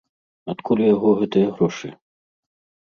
Адкуль у яго гэтыя грошы?